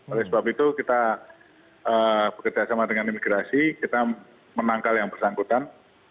oleh sebab itu kita bekerjasama dengan imigrasi kita menangkal yang bersangkutan